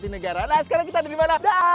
nah sekarang kita ada di mana